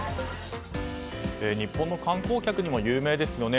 日本の観光客にも有名ですよね。